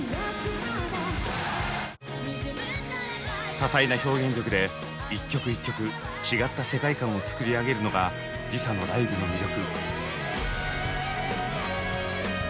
多彩な表現力で１曲１曲違った世界観を作り上げるのがＬｉＳＡのライブの魅力。